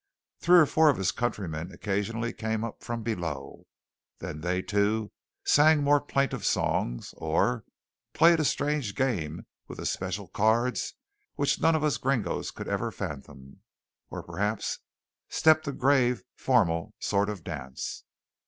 Three or four of his countrymen occasionally came up from below. Then they, too, sang more plaintive songs; or played a strange game with especial cards which none of us "gringos" could ever fathom; or perhaps stepped a grave, formal sort of dance.